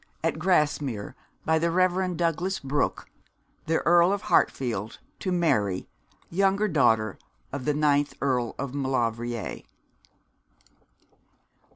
at Grasmere, by the Reverend Douglass Brooke, the Earl of Hartfield to Mary, younger daughter of the ninth Earl of Maulevrier.'